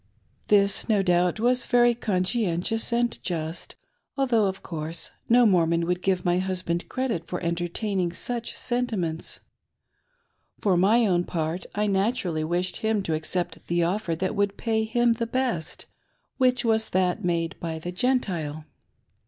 This, no doubt, was very conscientious and just; although, of course, no Mormon would give my husband credit for en tertaining such sentiments. For my own part, I naturally wished him to accept the offer that would pay him best, which OUR NEW POSITION. 6o^ was that made by the Gentile.